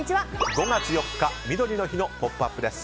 ５月４日、みどりの日の「ポップＵＰ！」です。